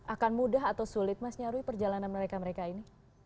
akan mudah atau sulit mas nyarwi perjalanan mereka mereka ini